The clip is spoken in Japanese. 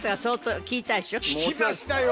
効きましたよ